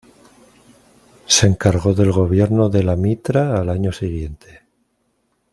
Se encargó del gobierno de la mitra al año siguiente.